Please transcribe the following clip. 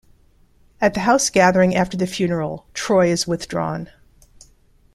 At the house gathering after the funeral, Troy is withdrawn.